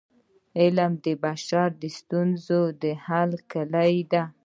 علم د بشري ستونزو د حل کيلي ده.